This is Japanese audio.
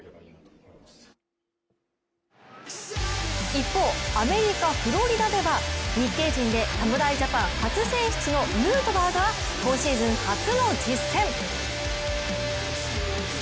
一方、アメリカ・フロリダでは日系人で侍ジャパン初選出のヌートバーが今シーズン初の実戦。